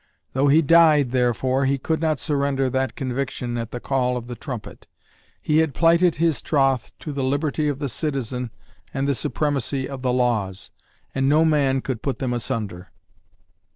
Though he died, therefore, he could not surrender that conviction at the call of the trumpet. He had plighted his troth to the liberty of the citizen and the supremacy of the laws, and no man could put them asunder.